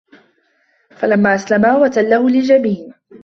فَلَمّا أَسلَما وَتَلَّهُ لِلجَبينِ